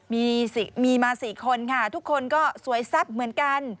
มีมา๔คนค่ะทุกคนก็สวยแซ่บเหมือนกัน